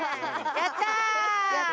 やった！